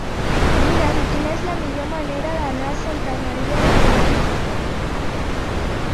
Mira'm quina és la millor manera d'anar a Santa Maria de Miralles a peu.